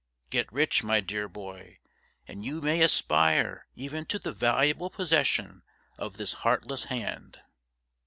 Get rich, my dear boy, and you may aspire even to the valuable possession of this heartless hand.'